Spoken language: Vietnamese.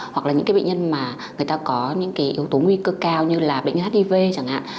hoặc là những bệnh nhân mà người ta có những yếu tố nguy cơ cao như là bệnh nhân hiv chẳng hạn